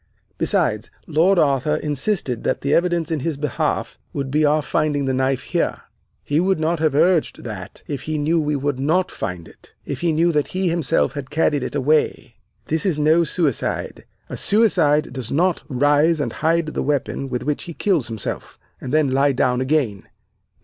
Besides, Lord Arthur insisted that the evidence in his behalf would be our finding the knife here. He would not have urged that if he knew we would not find it, if he knew he himself had carried it away. This is no suicide. A suicide does not rise and hide the weapon with which he kills himself, and then lie down again.